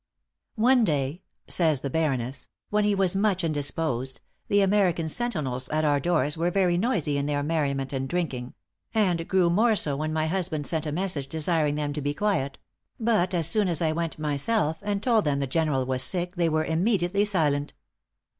"One day," says the Baroness, "when he was much indisposed, the American sentinels at our doors were very noisy in their merriment and drinking; and grew more so when my husband sent a message desiring them to be quiet; but as soon as I went myself, and told them the General was sick they were immediately silent.